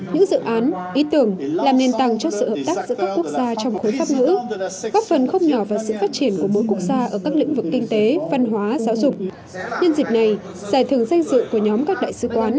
những dự án ý tưởng làm nền tăng cho sự hợp tác giữa các quốc gia trong khối pháp ngữ góp phần khốc nhỏ và sự phát triển của mỗi quốc gia ở các lĩnh vực kinh tế văn hóa giáo dục